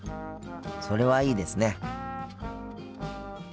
それはいいですね。